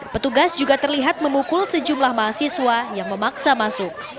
petugas juga terlihat memukul sejumlah mahasiswa yang memaksa masuk